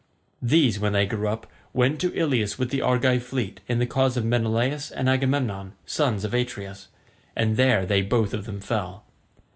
These, when they grew up, went to Ilius with the Argive fleet in the cause of Menelaus and Agamemnon sons of Atreus, and there they both of them fell.